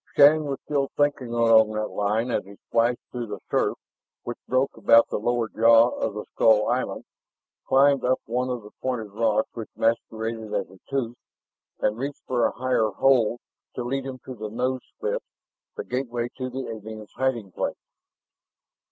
Shann was still thinking along that line as he splashed through the surf which broke about the lower jaw of the skull island, climbed up one of the pointed rocks which masqueraded as a tooth, and reached for a higher hold to lead him to the nose slit, the gateway to the alien's hiding place.